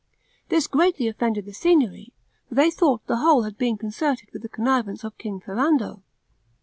This greatly offended the Signory, for they thought the whole had been concerted with the connivance of King Ferrando.